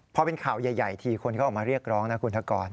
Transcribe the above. พอเป็นข่าวใหญ่ทีคนเขาออกมาเรียกร้องนะคุณธกร